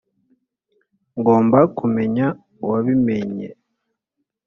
ngomba kumenya uwabimennye.